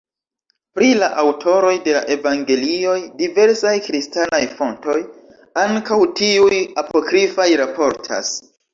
Pri la aŭtoroj de la evangelioj diversaj kristanaj fontoj, ankaŭ tiuj apokrifaj raportas.